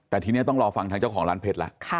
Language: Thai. แต่ทีนี้ต้องรอฟังทางเจ้าของร้านเพชรแล้ว